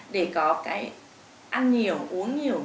để có cái ăn nhiều uống nhiều